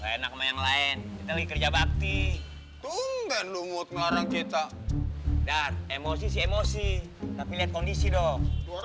enak main lain lain kerja bakti tunggu tunggu ngarang kita emosi emosi tapi kondisi dong ngobrol aja